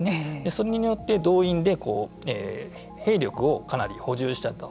それによって動員で兵力をかなり補充したと。